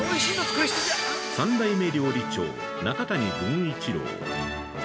◆３代目料理長、中谷文一郎。